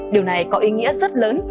điều này có ý nghĩa rất lớn